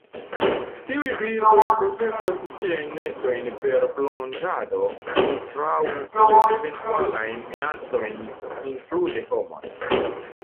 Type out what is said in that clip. Tiuj birdoj protektas siajn nestojn per plonĝado kontraŭ eventualajn minacojn, inklude homojn.